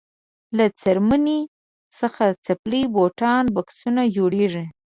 له څرمنې څخه څپلۍ بوټان بکسونه جوړیږي.